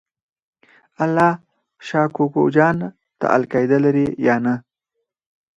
الله شا کوکو جان ته القاعده لرې یا نه؟